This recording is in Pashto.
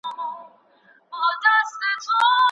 د شاعرانو ورځې په ډېر اخلاص لمانځل کېږي.